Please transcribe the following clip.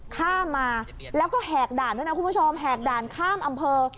ข้ามมาแล้วก็แหกด่านใหกด่านข้ามอำเภอ